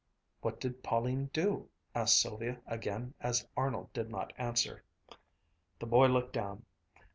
"What did Pauline do?" asked Sylvia again as Arnold did not answer. The boy looked down.